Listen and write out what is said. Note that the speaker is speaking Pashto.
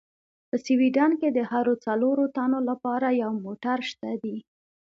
په سویډن کې د هرو څلورو تنو لپاره یو موټر شته دي.